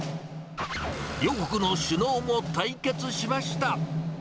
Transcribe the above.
両国の首脳も対決しました。